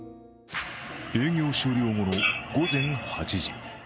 営業終了後の午前８時。